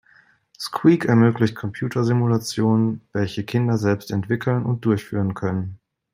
Squeak ermöglicht Computer-Simulationen, welche Kinder selbst entwickeln und durchführen können.